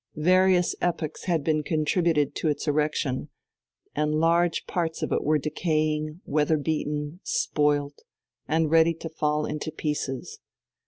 Various epochs had contributed to its erection, and large parts of it were decaying, weather beaten, spoilt, and ready to fall into pieces.